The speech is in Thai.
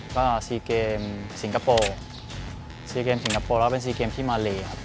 ก็๔เกมสิงคโปร์๔เกมสิงคโปร์แล้วก็เป็น๔เกมที่มาเลครับ